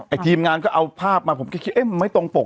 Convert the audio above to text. ทีมงานก็เอาภาพมาผมก็คิดเอ๊ะมันไม่ตรงปก